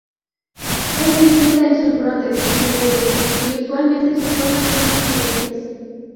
Es distinta en sus brotes sin vello, y usualmente sus hojas son más pequeñas.